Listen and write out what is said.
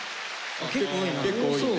結構多いな。